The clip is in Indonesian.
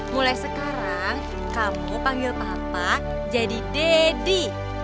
mulai sekarang kamu panggil bapak jadi deddy